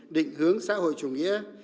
định hướng xã hội chủ nghĩa